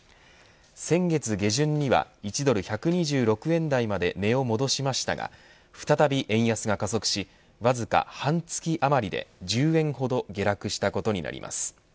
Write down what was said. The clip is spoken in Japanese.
先月下旬には１ドル１２６円台まで値を戻しましたが再び円安が加速しわずか半月あまりで１０円ほど下落したことになります。